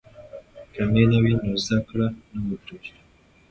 که مینه وي نو زده کړه نه ودریږي.